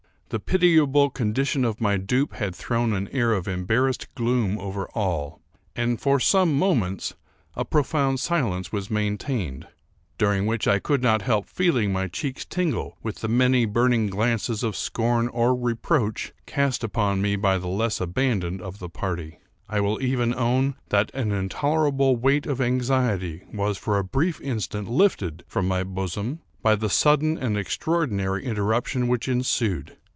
The pitiable condition of my dupe had thrown an air of embarrassed gloom over all; and, for some moments, a profound silence was maintained, during which I could not help feeling my cheeks tingle with the many burning glances of scorn or reproach cast upon me by the less abandoned of the party. I will even own that an intolerable weight of anxiety was for a brief instant lifted from my bosom by the sudden and extraordinary interruption which ensued.